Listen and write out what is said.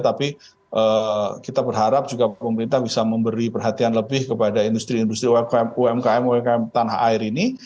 tapi kita berharap juga pemerintah bisa memberi perhatian lebih kepada industri industri umkm umkm tanah air ini